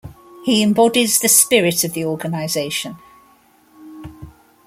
He embodies the spirit of the organisation.